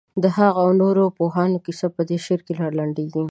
د هغه او نورو پوهانو کیسه په دې شعر کې رالنډېږي.